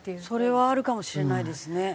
それはあるかもしれないですね。